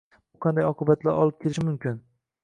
Bu qanday oqibatlarga olib kelishi mumkin?